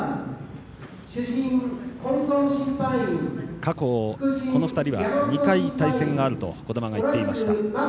過去、この２人は２回対戦があると児玉が言っていました。